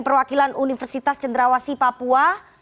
perwakilan universitas cendrawasi papua